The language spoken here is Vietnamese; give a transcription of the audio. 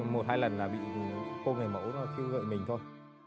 một hai lần là bị cô người mẫu nó kêu gợi mình thôi